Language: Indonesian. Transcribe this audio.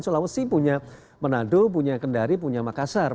sulawesi punya manado punya kendari punya makassar